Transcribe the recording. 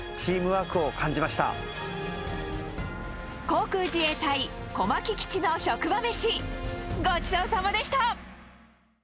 航空自衛隊小牧基地の職場めし、ごちそうさまでした。